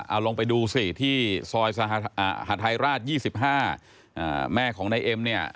เอาลงไปดูสิที่ซอยอ่าหาทายราชยี่สิบห้าอ่าแม่ของนายเอ็มเนี้ย